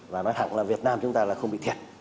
và nói thẳng là việt nam chúng ta là không bị thiệt